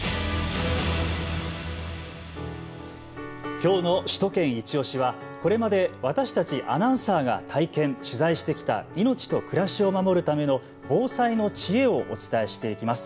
今日の「首都圏いちオシ！」はこれまで私たちアナウンサーが体験、取材してきた命と暮らしを守るための防災の知恵をお伝えしていきます。